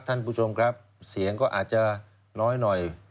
ท่านผู้ชมครับเสียงก็อาจจะน้อยหน่อย